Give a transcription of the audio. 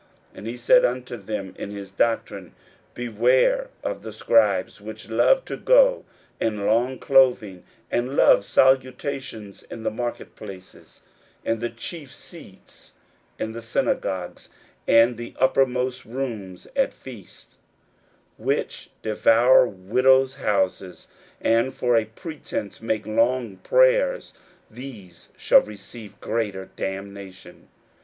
41:012:038 And he said unto them in his doctrine, Beware of the scribes, which love to go in long clothing, and love salutations in the marketplaces, 41:012:039 And the chief seats in the synagogues, and the uppermost rooms at feasts: 41:012:040 Which devour widows' houses, and for a pretence make long prayers: these shall receive greater damnation.